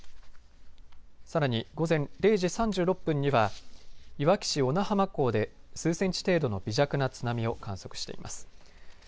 さらに午前０時３６分には、いわき市小名浜港で数センチ程度の微弱な津波を観測しています。